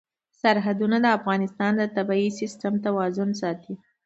سرحدونه د افغانستان د طبعي سیسټم توازن ساتي.